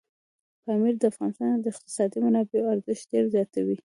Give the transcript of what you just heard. پامیر د افغانستان د اقتصادي منابعو ارزښت ډېر زیاتوي.